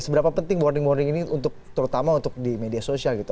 seberapa penting warning warning ini untuk terutama untuk di media sosial gitu